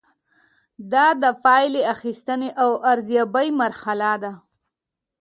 دا د پایلې اخیستنې او ارزیابۍ مرحله ده.